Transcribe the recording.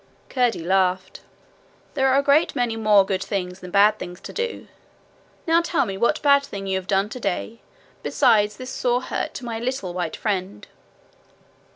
Curdie laughed. 'There are a great many more good things than bad things to do. Now tell me what bad thing you have done today besides this sore hurt to my little white friend.'